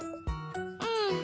うん。